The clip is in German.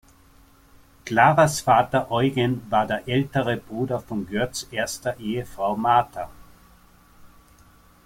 Claras Vater "Eugen" war der ältere Bruder von Görtz' erster Ehefrau "Martha".